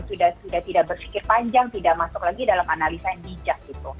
sudah tidak berpikir panjang tidak masuk lagi dalam analisa yang bijak gitu